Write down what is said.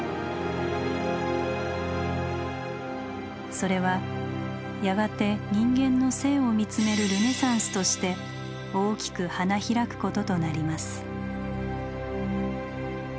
それはやがて人間の「生」を見つめるルネサンスとして大きく花開くこととなります。